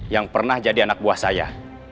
yang pernah jadi anak buah saya